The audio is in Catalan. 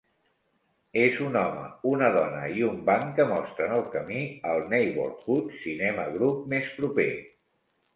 És un home, una dona i un banc que mostren el camí al Neighborhood Cinema Group més proper.